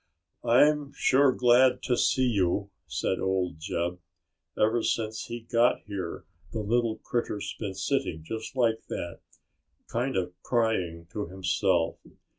"I'm sure glad to see you!" said old Jeb. "Ever since he got here the little critter's been sitting just like that, kind of crying to himself.